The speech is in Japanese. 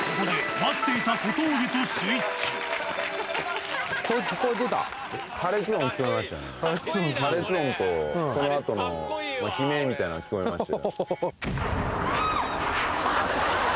破裂音と、そのあとの悲鳴みたいなの聞こえましたよ。